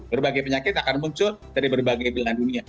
berbagai penyakit akan muncul dari berbagai belahan dunia